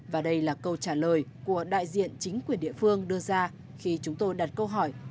và đây là câu trả lời của đại diện chính quyền địa phương đưa ra khi chúng tôi đặt câu hỏi